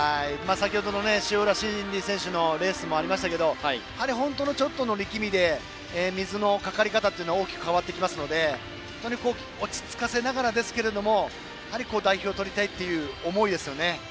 先程の塩浦慎理選手のレースもありましたけれども本当にちょっとの力みで水のかかりかたが大きく変わってきますので落ち着かせながらですけど代表をとりたいという思いですね。